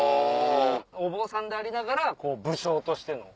お坊さんでありながら武将としての。